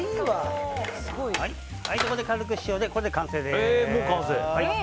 ここで軽く塩で完成です。